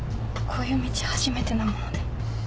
こういう道初めてなもので。